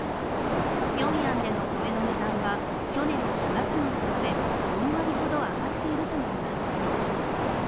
ピョンヤンの米の値段は去年４月に比べ４割ほどは上がっているといいます。